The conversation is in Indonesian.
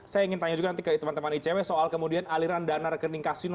saya ingin tanya juga nanti ke teman teman icw soal kemudian aliran dana rekening kasino